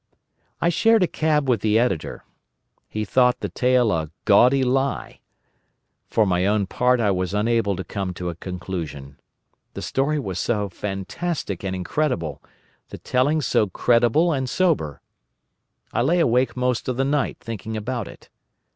I shared a cab with the Editor. He thought the tale a "gaudy lie." For my own part I was unable to come to a conclusion. The story was so fantastic and incredible, the telling so credible and sober. I lay awake most of the night thinking about it.